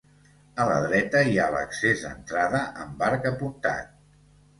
A la dreta hi ha l'accés d'entrada amb arc apuntat.